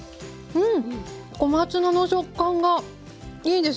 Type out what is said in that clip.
うん。